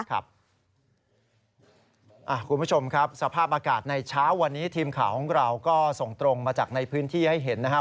คุณผู้ชมครับสภาพอากาศในเช้าวันนี้ทีมข่าวของเราก็ส่งตรงมาจากในพื้นที่ให้เห็นนะครับ